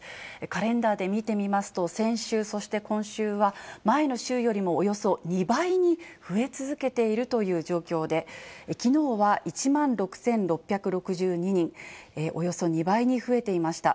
カレンダーで見てみますと、先週、そして今週は、前の週よりもおよそ２倍に増え続けているという状況で、きのうは１万６６６２人、およそ２倍に増えていました。